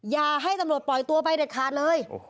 อย่าให้ตำรวจปล่อยตัวไปเด็ดขาดเลย